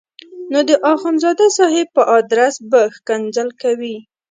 نو د اخندزاده صاحب په ادرس به ښکنځل کوي.